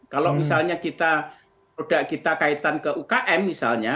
kalau misalnya kita produk kita kaitan ke ukm misalnya